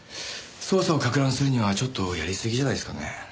捜査を攪乱するにはちょっとやりすぎじゃないですかね？